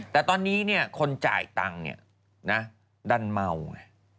แต่ตอนนี้คนจ่ายตังค์นี่นะดันเมาไง